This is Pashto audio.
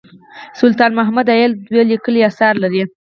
سلطان محمد عايل دوه لیکلي اثار لري.